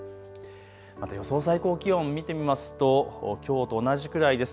また予想最高気温、見てみますときょうと同じくらいです。